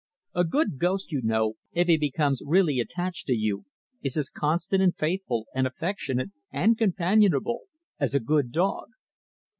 A good ghost, you know if he becomes really attached to you is as constant and faithful and affectionate and companionable as a good dog."